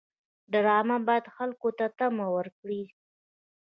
ډرامه باید خلکو ته تمه ورکړي